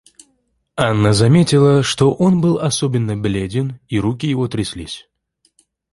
Анна заметила, что он был особенно бледен, и руки его тряслись.